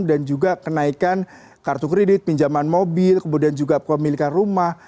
dan juga kenaikan kartu kredit pinjaman mobil kemudian juga pemilikan rumah